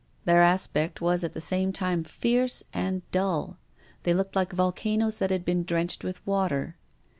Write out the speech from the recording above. Their aspect was at the same time fierce and dull, they looked like volcanoes that had been drenched with water.